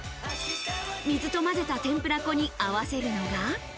水とまぜた天ぷら粉に合わせるのが。